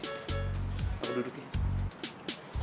aku duduk ya